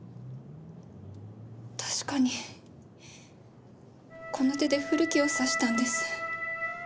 確かにこの手で古木を刺したんです。